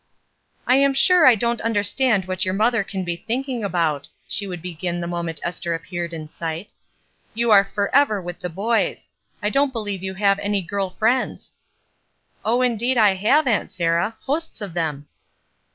''1 am sure I don't understand what your mother can be thinking about," she would begin the moment Esther appeared in sight. '*You are forever with the boys. I don't beUeve you have any girl friends." *'0h, indeed I have, Aunt Sarah — hosts of them."